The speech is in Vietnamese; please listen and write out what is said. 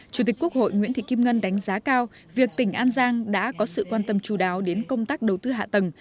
chủ tịch quốc hội nguyễn thị kim ngân đánh giá cao việc tỉnh an giang đã có sự quan tâm chú đáo đến công tác đầu tư hạ tầng